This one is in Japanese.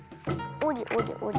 おりおりおり。